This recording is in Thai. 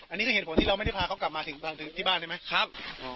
อันนี้คือเหตุผลที่เราไม่ได้พาเขากลับมาถึงที่บ้านใช่ไหมครับ